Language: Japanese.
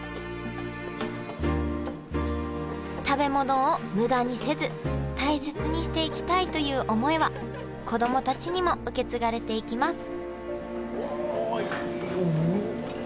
食べ物を無駄にせず大切にしていきたいという思いは子供たちにも受け継がれていきます